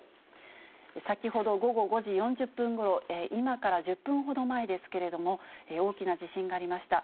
先ほど午後５時４０分ごろ、今から１０分ほど前ですけれども、大きな地震がありました。